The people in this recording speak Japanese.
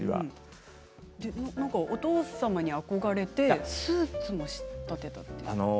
お父様に憧れてスーツも仕立てて。